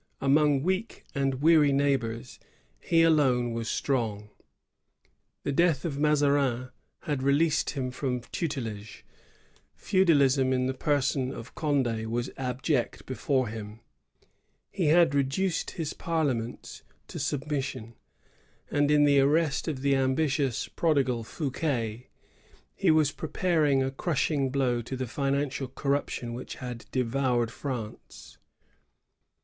Among weak and weary neighbors, he alone was strong. The death of Mazarin had released him from tutelage ; feudalism in the person of Cond^ was abject before him ; he had reduced his parliaments to submission ; and in the arrest of the ambitious prodi gal Fouquet, he was preparing a crushing blow to the financial corruption which had devoured France.